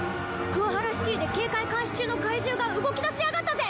クワハラシティで警戒監視中の怪獣が動き出しやがったぜ！